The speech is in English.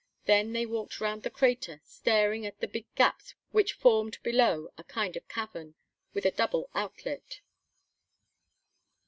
Then they walked round the crater staring at the big gaps which formed below a kind of cavern, with a double outlet.